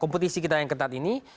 kompetisi kita yang ketat ini